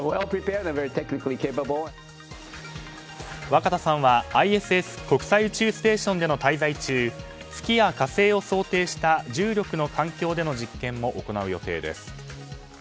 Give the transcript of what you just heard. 若田さんはＩＳＳ・国際宇宙ステーションでの滞在中月や火星を想定した重力の環境での実験も行う予定です。